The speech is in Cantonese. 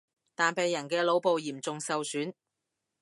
但病人嘅腦部嚴重受損